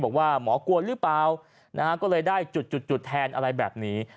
บอกว่าหมอกวนหรือเปล่าก็เลยได้จุดแทนอะไรแบบนี้